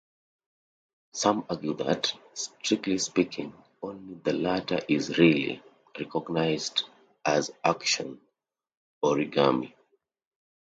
Some argue that, strictly speaking, only the latter is really "recognized" as action origami.